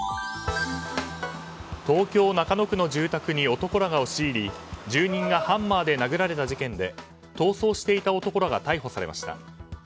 東京・中野区の住宅に男らが押し入り住人がハンマーで殴られた事件で逃走していた男らが逮捕されました。